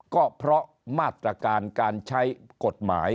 ก็เพราะมาตรการการใช้กฎหมาย